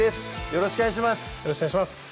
よろしくお願いします